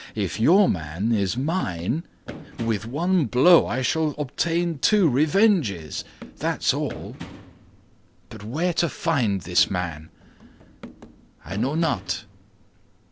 If your man is mine, with one blow I shall obtain two revenges, that's all; but where to find this man?" "I know not."